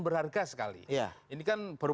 berharga sekali ini kan baru